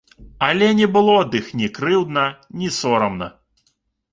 Але не было ад іх ні крыўдна, ні сорамна.